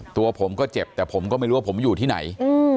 ตัวผมก็เจ็บแต่ผมก็ไม่รู้ว่าผมอยู่ที่ไหน